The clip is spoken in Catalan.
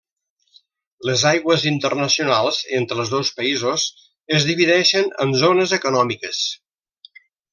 Les aigües internacionals entre els dos països es divideixen en zones econòmiques.